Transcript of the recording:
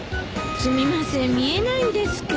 すみません見えないんですけど。